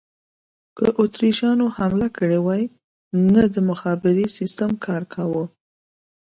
که اتریشیانو حمله کړې وای، نه د مخابرې سیسټم کار کاوه.